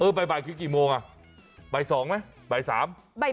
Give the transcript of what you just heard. เออบ่ายคือกี่โมงบ่าย๒บ่าย๓